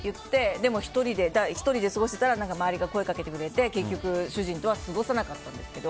でも１人で過ごしてたら周りが声をかけてくれて結局、主人とは過ごさなかったんですけど。